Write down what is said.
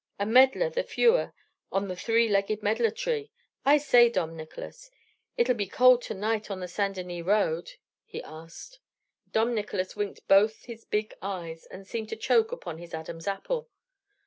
A medlar the fewer on the three legged medlar tree! I say, Dom Nicolas, it'll be cold to night on the St. Denis Road?" he asked. Dom Nicolas winked both his big eyes, and seemed to choke upon his Adam's apple.